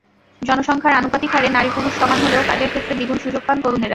জনসংখ্যার আনুপাতিক হারে নারী-পুরুষ সমান হলেও কাজের ক্ষেত্রে দ্বিগুণ সুযোগ পান তরুণেরা।